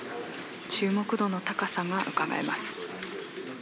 注目度の高さがうかがえます。